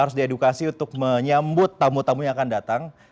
harus diedukasi untuk menyambut tamu tamu yang akan datang